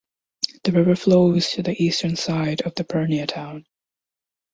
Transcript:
The river flows to the eastern side of the Purnia town.